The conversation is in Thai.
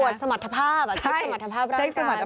ตรวจสมัครภาพสมรรถภาพร่างการ